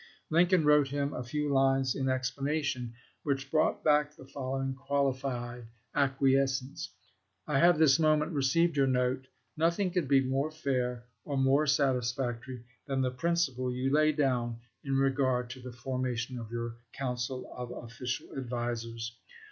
Lincoln wrote him a few lines in explanation, which brought back the following qualified acquiescence :" I have this moment received your note. Nothing could be more fair or more satisfactory than the principle you lay down in regard to the formation of your council of official advisers.